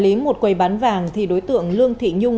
khi được bố trí một quầy bán vàng thì đối tượng lương thị nhung